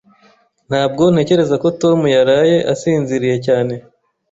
Ntabwo ntekereza ko Tom yaraye asinziriye cyane.